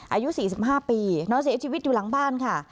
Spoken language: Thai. อายุสี่สิบห้าปีน้องเสียชีวิตอยู่หลังบ้านค่ะ